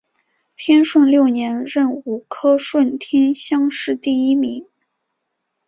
天顺六年壬午科顺天乡试第一名。